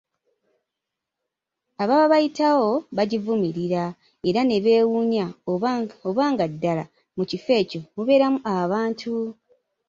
Ababa bayitawo bagivumirira, era ne bewuunya, oba nga ddala mu kifo ekyo mubeeramu abantu.